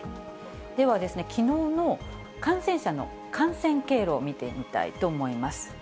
では、きのうの感染者の感染経路を見てみたいと思います。